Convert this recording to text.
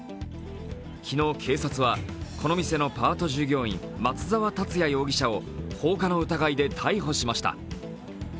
昨日、警察はこの店のパート従業員松沢達也容疑者を放火の疑いで逮捕しました。